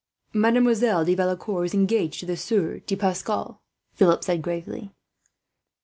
"Mademoiselle de Valecourt is engaged to the Sieur de Pascal," Philip said gravely.